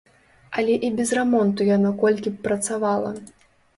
Але і без рамонту яно колькі б працавала.